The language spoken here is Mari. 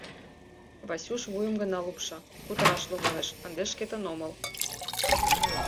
Васюш вуйым гына лупша: кутыраш логалеш, ынде шкетын омыл.